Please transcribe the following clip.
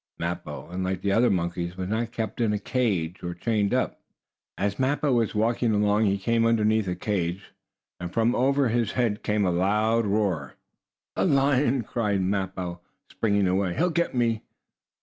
Mappo, unlike the other monkeys, was not kept in a cage, or chained up. As Mappo was walking along he came underneath a cage, and from over his head came a loud roar. "A lion!" cried Mappo, springing away. "He'll get me!"